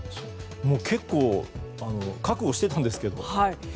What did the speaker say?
結構覚悟してたんですけど。